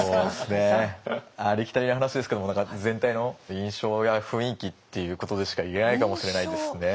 ありきたりな話ですけれども全体の印象や雰囲気っていうことでしか言えないかもしれないですね。